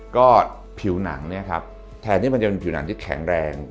ก็ผิวหนังเนี่ยครับแทนที่มันจะเป็นผิวหนังที่แข็งแรง